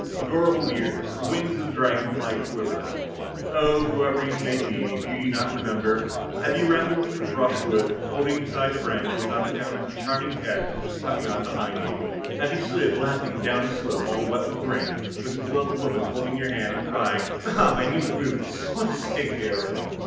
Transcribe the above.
adorable years! the wings of the dragonfly quiver. Oh, whoever you may be, do you not remember? Have you rambled through the brushwood, holding aside the branches, on account of the charming head which is coming on behind you? Have you slid, laughing, down a slope all wet with rain, with a beloved woman holding your hand, and crying, "Ah, my new boots! what a state they are in!"